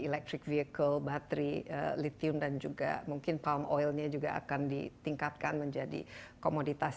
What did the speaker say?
electric vehicle bateri lithium dan juga mungkin palm oilnya juga akan ditingkatkan menjadi komoditas